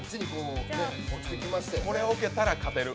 これ置けたら勝てる。